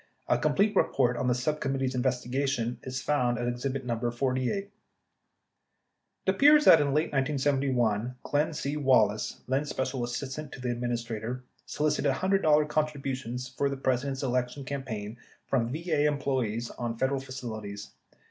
A complete report on the subcommit tee's investigation is found at exhibit No. 48. 56 It appears that in late 1971 Glenn C. Wallace, then Special Assist ant to the Administrator, solicited $100 contributions for the Presi dent's election campaign from VA employees on Federal facilities.